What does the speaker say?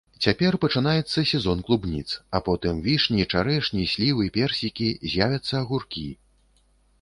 Цяпер пачынаецца сезон клубніц, а потым вішні, чарэшні, слівы, персікі, з'явяцца агуркі.